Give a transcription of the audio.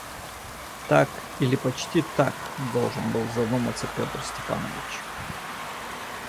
Так или почти так должен был задуматься Петр Степанович.